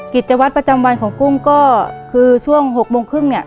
กิจวัตรประจำวันของกุ้งก็คือช่วง๖โมงครึ่งเนี่ย